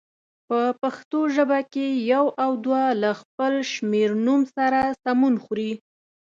په پښتو ژبه کې یو او دوه له خپل شمېرنوم سره سمون خوري.